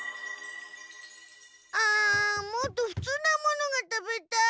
あもっとふつうなものが食べたい。